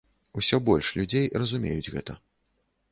Усё больш людзей разумеюць гэта.